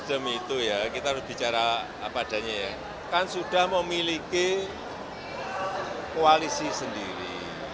nasdem itu ya kita harus bicara apa adanya ya kan sudah memiliki koalisi sendiri